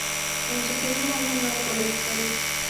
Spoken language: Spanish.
En su primer año no logró victorias.